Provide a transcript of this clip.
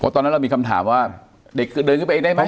ตอนนั้นเรามีคำถามว่าเด็กเดินขึ้นไปเองได้ไหม